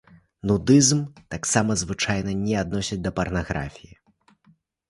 Нудызм таксама звычайна не адносяць да парнаграфіі.